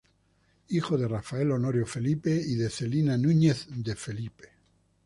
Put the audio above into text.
Hijo de Rafael Honorio Felipe y de Celina Núñez de Felipe.